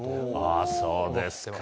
ああ、そうですか。